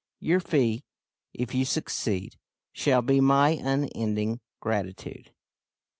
Your fee, if you succeed, shall be my unending gratitude.